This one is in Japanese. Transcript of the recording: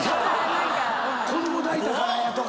子供抱いたからやとか。